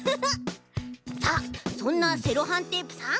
さあそんなセロハンテープさん。